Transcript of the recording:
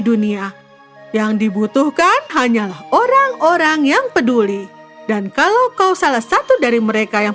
dunia yang dibutuhkan hanyalah orang orang yang peduli dan kalau kau salah satu dari mereka yang